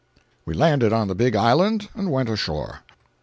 We landed on the big island and went ashore.